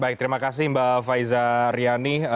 baik terima kasih mbak faiza riani